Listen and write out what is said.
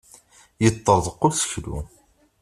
Yeṭṭarḍaq useklu.